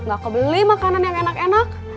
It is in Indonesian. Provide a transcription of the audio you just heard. gak kebeli makanan yang enak enak